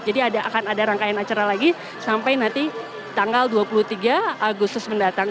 jadi akan ada rangkaian acara lagi sampai nanti tanggal dua puluh tiga agustus mendatang